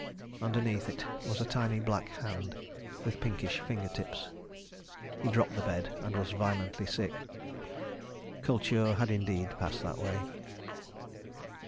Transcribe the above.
Underneath it was a tiny black hand with pinkish finger tips. He dropped the bed and was violently sick. Kultur had indeed passed that way.